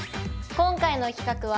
今回の企画は。